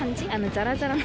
ザラザラの。